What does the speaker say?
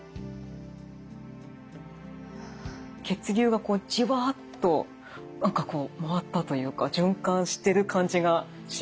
血流がこうじわっと何かこう回ったというか循環してる感じがします。